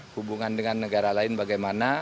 hubungan dengan negara lain bagaimana